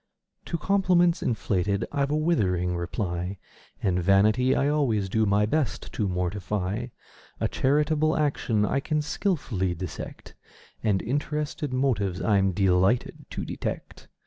To compliments inflated I've a withering reply; And vanity I always do my best to mortify; A charitable action I can skilfully dissect: And interested motives I'm delighted to detect.